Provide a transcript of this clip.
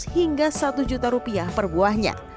hingga rp satu juta per buahnya